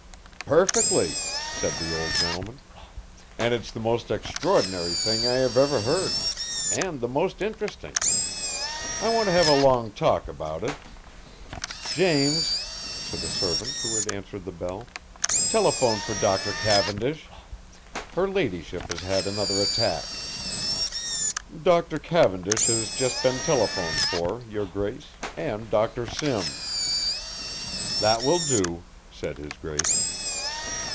"Perfectly," said the old gentleman, "and it's the most extraordinary thing I have ever heard and the most interesting I want to have a long talk about it. James," to the servant who had answered the bell, "telephone for Dr. Cavendish. Her ladyship has had another attack." "Dr. Cavendish has just been telephoned for, your grace, and Dr. Simms." "That will do," said his grace.